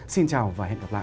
xin chào và hẹn gặp lại